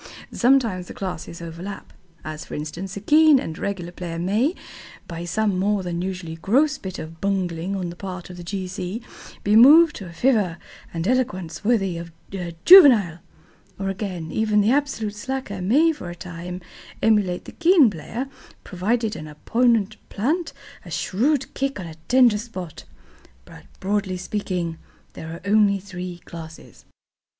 Sometimes the classes overlap. As for instance, a keen and regular player may, by some more than usually gross bit of bungling on the part of the G. C., be moved to a fervour and eloquence worthy of Juvenal. Or, again, even the absolute slacker may for a time emulate the keen player, provided an opponent plant a shrewd kick on a tender spot. But, broadly speaking, there are only three classes.